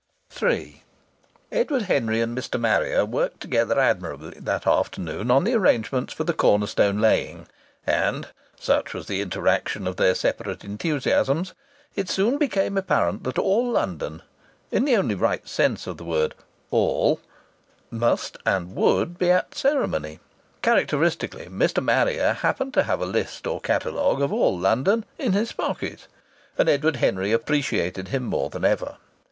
III Edward Henry and Mr. Marrier worked together admirably that afternoon on the arrangements for the corner stone laying. And such was the interaction of their separate enthusiasms it soon became apparent that all London (in the only right sense of the word "all") must and would be at the ceremony. Characteristically, Mr. Marrier happened to have a list or catalogue of all London in his pocket, and Edward Henry appreciated him more than ever.